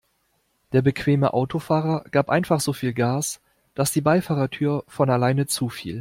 Der bequeme Autofahrer gab einfach so viel Gas, dass die Beifahrertür von alleine zufiel.